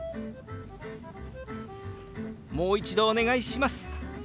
「もう一度お願いします」。